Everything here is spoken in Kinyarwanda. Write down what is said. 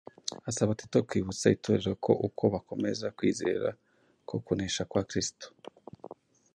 Asaba Tito kwibutsa itorero ko uko bakomeza kwizera ko kunesha kwa Kristo